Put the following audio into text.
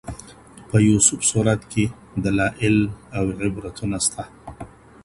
په يوسف سورت کي دلائل او عبرتونه سته.